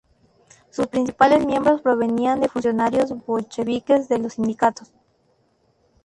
Sus principales miembros provenían de funcionarios bolcheviques de los sindicatos.